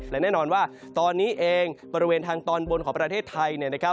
และแน่นอนว่าตอนนี้เองบริเวณทางตอนบนของประเทศไทย